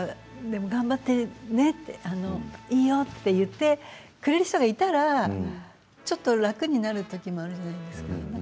でも頑張ってねっていいよって言ってくれる人がいたらちょっと楽になる時もあるじゃないですか。